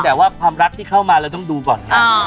แต่ว่าความรักที่เข้ามาเราต้องดูก่อนครับ